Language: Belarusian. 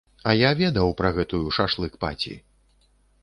А я ведаў пра гэтую шашлык-паці.